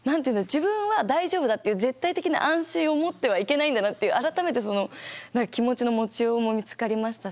自分は大丈夫だっていう絶対的な安心を持ってはいけないんだなっていう改めて気持ちの持ちようも見つかりましたし。